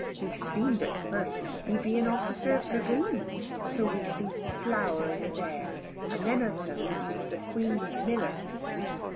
We seemed at first he be an officer of dragoons, till we see'd the flour in his hair, and then us knowed he was the Queen's miller.